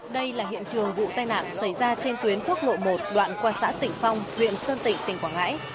đây là hiện trường vụ tai nạn xảy ra trên tuyến quốc lộ một đoạn qua xã tỉnh phong huyện sơn tịnh tỉnh quảng ngãi